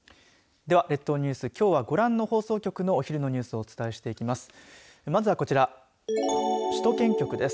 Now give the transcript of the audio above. では列島ニュース、きょうはご覧の放送局のお昼のニュースをお伝えしていきます。